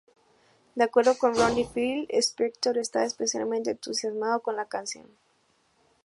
De acuerdo con Ronnie, Phil Spector estaba especialmente entusiasmado con la canción.